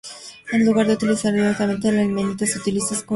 En lugar de utilizar directamente la ilmenita, se utiliza "escoria de rutilo".